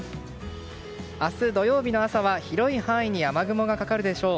明日土曜日の朝は広い範囲に雨雲がかかるでしょう。